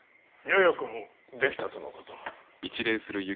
ややこもできたとのこと。